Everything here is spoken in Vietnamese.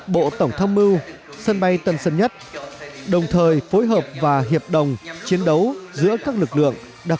bộ tổng thông mưu sân bay tân sân nhất đồng thời phối hợp và hiệp đồng chiến đấu giữa các lực lượng